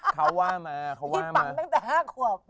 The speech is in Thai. เขาว่ามาที่ปังตั้งแต่๕ขวบ